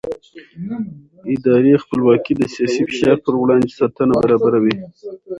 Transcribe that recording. اداري خپلواکي د سیاسي فشار پر وړاندې ساتنه برابروي